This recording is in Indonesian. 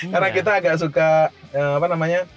karena kita agak suka